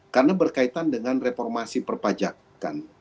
karena berkaitan dengan reformasi perpajakan